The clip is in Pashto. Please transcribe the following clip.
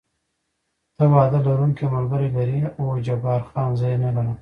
ته واده لرونکی ملګری لرې؟ هو، جبار خان: زه یې نه لرم.